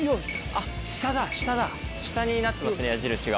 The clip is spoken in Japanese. あっ下だ下だ下になってますね矢印が。